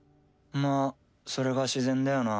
まっそれが自然だよな。